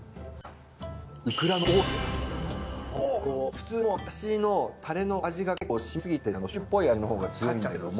普通だしのタレの味が結構しみすぎてて醤油っぽい味のほうが強いんだけども。